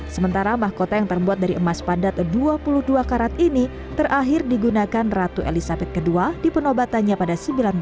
sementara mahkota yang terbuat dari emas padat dua puluh dua karat ini terakhir digunakan ratu elizabeth ii di penobatannya pada seribu sembilan ratus enam puluh